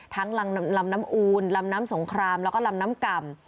ลำน้ำอูลลำน้ำสงครามแล้วก็ลำน้ำก่ำ